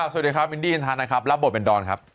สวัสดีครับอินดี้อินทานนะครับรับบทเป็นดอนครับ